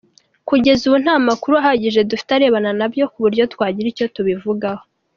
Kugeza ubu, nta makuru ahagije dufite arebana na byo ku buryo twagira icyo tubivugaho.”